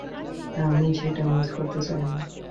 আমিও সেটা মিস করতে চাই না।